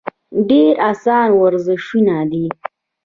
ډېر اسان ورزشونه دي -